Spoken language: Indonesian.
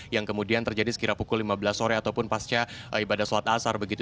yang kemudian terjadi sekira pukul lima belas sore ataupun pasca ibadah sholat asar begitu